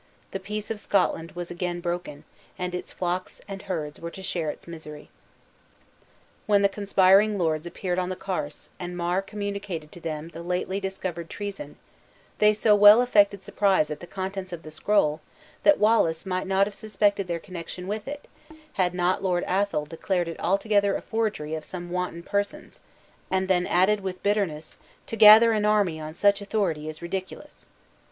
The peace of Scotland was again broken, and its flocks and herds were to share its misery. When the conspiring lords appeared on the Carse, and Mar communicated to them the lately discovered treason, they so well affected surprise at the contents of the scroll, that Wallace might not have suspected their connection with it, had not Lord Athol declared it altogether a forgery of some wanton persons, and then added with bitterness, "to gather an army on such authority is ridiculous."